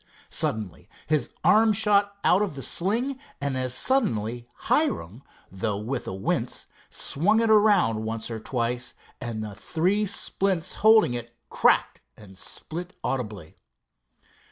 Suddenly his arm shot out of the sling, and as suddenly Hiram, though with a wince, swung it around once or twice, and the three splints holding it cracked and split audibly.